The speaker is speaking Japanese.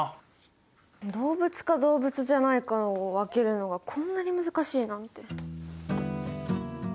動物か動物じゃないかを分けるのがこんなに難しいなんて。